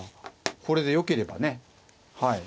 これでよければねはい。